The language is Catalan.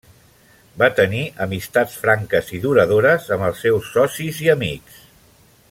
Va tenir amistats franques i duradores amb els seus socis i amics.